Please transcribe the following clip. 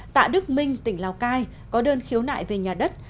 tạ đức minh tỉnh lào cai có đơn khiếu nại về nhà đất